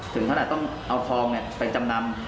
ถึงเท่าไหร่ต้องเอาทองเนี่ยไปจำนำ